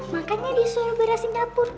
makanya disuruh beras di dapur